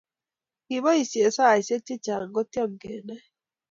Kikiboisie saisiek che chang ketiem kenai